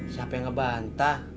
siapa yang ngebantah